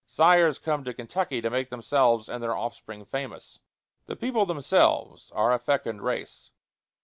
Sires come to Kentucky to make themselves and their offspring famous. The people themselves are a fecund race.